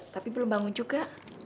tapi belum bangun juga